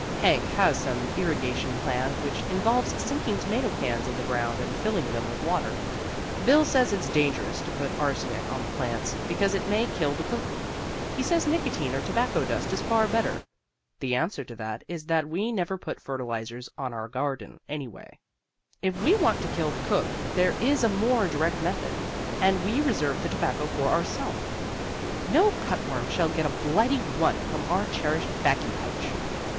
Hank has some irrigation plan which involves sinking tomato cans in the ground and filling them with water. Bill says it's dangerous to put arsenic on the plants, because it may kill the cook. He says nicotine or tobacco dust is far better. The answer to that is that we never put fertilizers on our garden, anyway. If we want to kill the cook there is a more direct method, and we reserve the tobacco for ourself. No cutworm shall get a blighty one from our cherished baccy pouch.